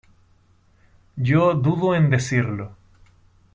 yo dudo en decirlo